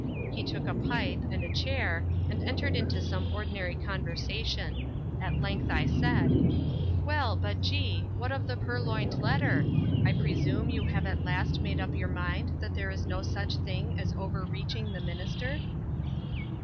He took a pipe and a chair and entered into some ordinary conversation. At length I said,— "Well, but G——, what of the purloined letter? I presume you have at last made up your mind that there is no such thing as overreaching the Minister?"